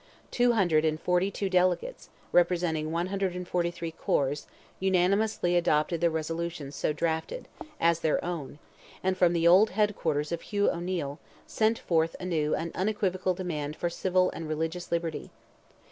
Two hundred and forty two delegates, representing 143 corps, unanimously adopted the resolutions so drafted, as their own, and, from the old head quarters of Hugh O'Neil, sent forth anew an unequivocal demand for civil and religious liberty.